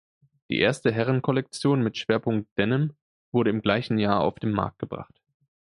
Die erste Herrenkollektion mit Schwerpunkt Denim wurde im gleichen Jahr auf den Markt gebracht.